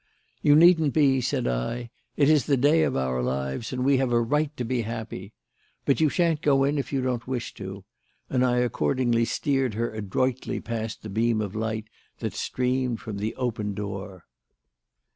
"You needn't be," said I. "It is the day of our lives and we have a right to be happy. But you shan't go in, if you don't wish to," and I accordingly steered her adroitly past the beam of light that streamed from the open door.